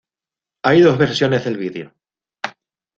Hay dos versiones del vídeo.